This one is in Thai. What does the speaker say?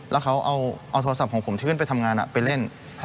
แล้วเขาเอาโทรศัพท์ของผมที่ขึ้นไปทำงานไปเล่น